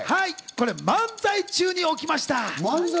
これ漫才中に起きました。